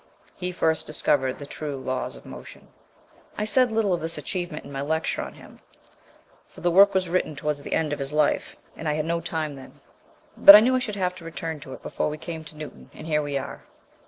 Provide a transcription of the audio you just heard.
He first discovered the true Laws of Motion. I said little of this achievement in my lecture on him; for the work was written towards the end of his life, and I had no time then. But I knew I should have to return to it before we came to Newton, and here we are.